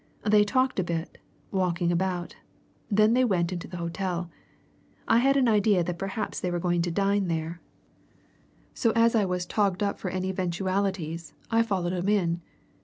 They talked a bit, walking about; then they went into the hotel. I had an idea that perhaps they were going to dine there, so as I was togged up for any eventualities, I followed 'em in.